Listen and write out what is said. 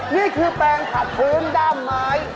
นี่คือแปลงขัดพื้นด้ามไม้